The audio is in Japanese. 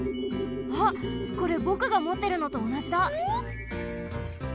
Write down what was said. あっこれぼくがもってるのとおなじだ。